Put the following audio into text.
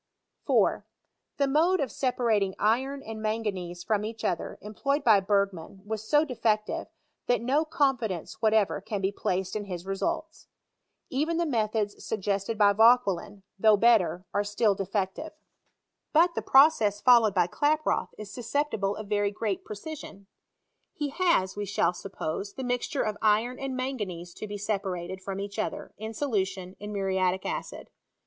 4. The mode of separating iron and manganese from each other employed by Bergman was so de fective, that no confidence whatever can be placed ill his results. Even the methods su^ested by Vauquelin, though belter, are still defectiTc. But PROGRESS OF ANALYTICAL CHEMISTRY. 203 the process followed by Klaproth is susceptible of very great precision. He has (we shall suppose) the mixture of iron and manganese to be separated from each other^ in solution, in muriatic acid.